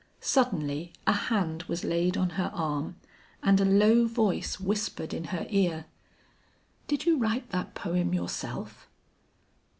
Suddenly a hand was laid on her arm and a low voice whispered in her ear, "Did you write that poem yourself?"